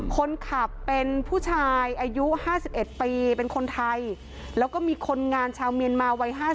คนขับเป็นผู้ชายอายุ๕๑ปีเป็นคนไทยแล้วก็มีคนงานชาวเมียนมาวัย๕๐